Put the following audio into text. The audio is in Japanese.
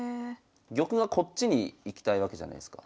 玉がこっちに行きたいわけじゃないすか。